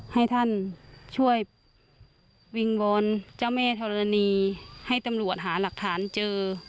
ให้ท่านช่วยวิงวอนเจ้าแม่ธรณีให้ตำรวจหาหลักฐานเจอ